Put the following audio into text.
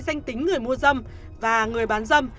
danh tính người mua dâm và người bán dâm